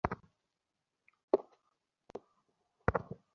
এমন ভিক্ষুকের মতো কার জন্যে এখানে ও পড়ে আছে।